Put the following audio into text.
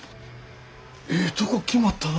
ええとこ決まったな。